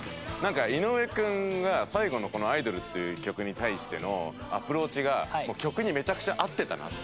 井上君は最後のこの『アイドル』っていう曲に対してのアプローチが曲にめちゃくちゃ合ってたなと。